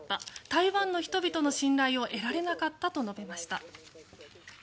台湾の人々の信頼を得られなかったと述べました。